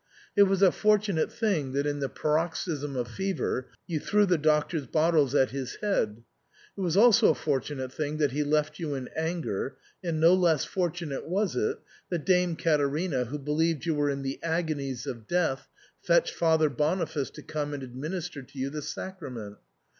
It was a fortunate thing that in the paroxysm of fever you threw the Doctor's bottles at his head, it was also a fortunate thing that he left you in anger, and no less fortunate was it that Dame Caterina, who believed you were in the agonies of death, fetched Father Boniface to come and administer to you the sacrament.